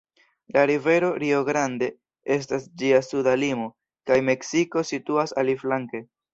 La rivero Rio Grande estas ĝia suda limo, kaj Meksiko situas aliflanke.